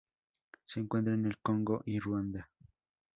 Se encuentra en el Congo y Ruanda.